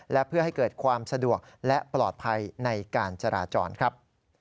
และเพื่อให้เกิดความสะดวกและปลอดภัยในการจราจรครับ